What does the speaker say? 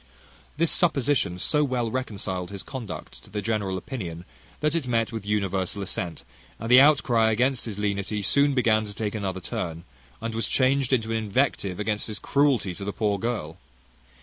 This supposition so well reconciled his conduct to the general opinion, that it met with universal assent; and the outcry against his lenity soon began to take another turn, and was changed into an invective against his cruelty to the poor girl.